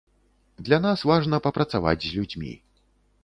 Для нас важна папрацаваць з людзьмі.